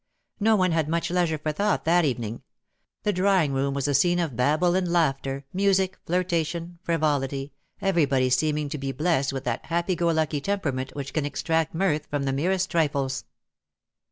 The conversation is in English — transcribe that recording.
No one had much leisure for thought that even ins^. The drawing room was a scene of babble and laughter, music^ flirtation^ frivolity, everybody seeming to be blest with that happy go lucky temperament which can extract mirth from the merest trifles.